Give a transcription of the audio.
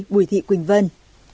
hai mươi bùi thị quỳnh vân